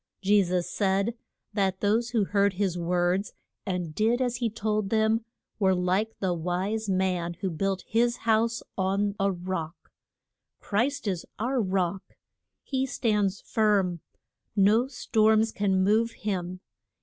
Je sus said that those who heard his words and did as he told them were like the wise man who built his house on a rock. Christ is our Rock. He stands firm. No storms can move him.